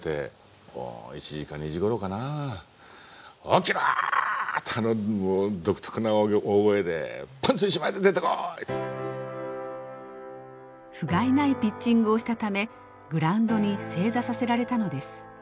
ふがいないピッチングをしたためグラウンドに正座させられたのです。